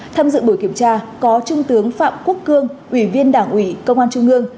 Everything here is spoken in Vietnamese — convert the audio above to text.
tham dự buổi kiểm tra có trung tướng phạm quốc cương ủy viên đảng ủy công an trung ương